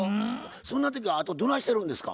そんな時はあなたどないしてるんですか？